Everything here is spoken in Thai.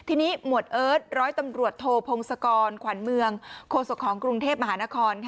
ที่นี้หมวดเอิชร้อยตำรวจโถพงษกรขวัญเมืองโฆษกรุงเทพมหานคร